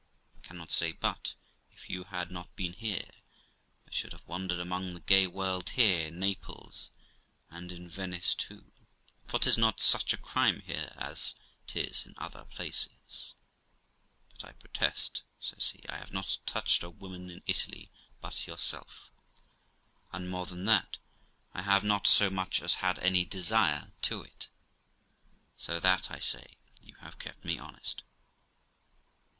I cannot say but, if you had not been here, I should have wandered among the gay world here, in Naples, and in Venice too, for 'tis not such a crime here as 'tis in other places. But I protest', says he, 'I have not touched a woman in Italy but yourself; and, more than that, I have not so much as had any desire to it. So that, I say, you have kept me honest.'